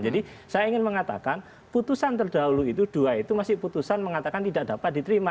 jadi saya ingin mengatakan putusan terdahulu itu dua itu masih putusan mengatakan tidak dapat diterima